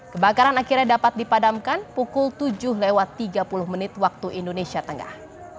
kebakaran akhirnya dapat dipadamkan pukul tujuh lewat tiga puluh menit waktu indonesia tengah